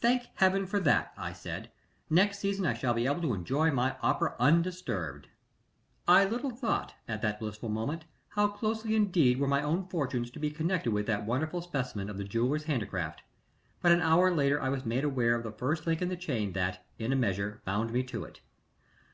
"Thank Heaven for that!" I said. "Next season I shall be able to enjoy my opera undisturbed." "I little thought, at that blissful moment, how closely indeed were my own fortunes to be connected with that wonderful specimen of the jeweler's handicraft, but an hour later I was made aware of the first link in the chain that, in a measure, bound me to it.